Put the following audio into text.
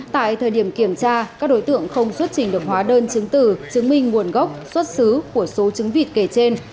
tại thời điểm kiểm tra các đối tượng không xuất trình được hóa đơn chứng từ chứng minh nguồn gốc xuất xứ của số trứng vịt kể trên